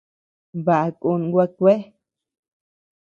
Baʼa kun gua kuea.